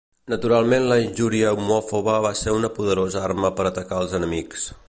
Naturalment la injúria homòfoba va ser una poderosa arma per atacar als enemics.